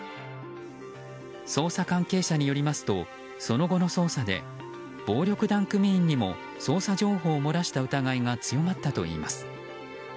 捜査関係者によりますとその後の捜査で暴力団組員にも捜査情報を漏らした疑いが強まったといいます。